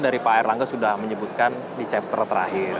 dari pak erlangga sudah menyebutkan di chafter terakhir